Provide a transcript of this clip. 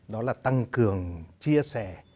đó là tăng cường chia sẻ